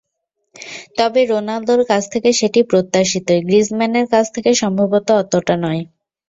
তবে রোনালদোর কাছ থেকে সেটি প্রত্যাশিতই, গ্রিজমানের কাছ থেকে সম্ভবত অতটা নয়।